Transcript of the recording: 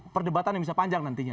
perdebatan yang bisa panjang nantinya